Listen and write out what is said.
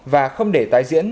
và không để tái diễn